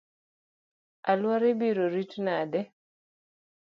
Aluora ibiro rit nade?